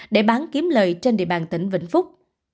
để bán kiếm lời trên địa bàn tỉnh vĩnh phúc